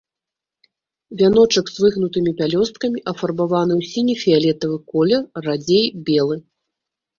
Вяночак з выгнутымі пялёсткамі, афарбаваны ў сіне-фіялетавы колер, радзей белы.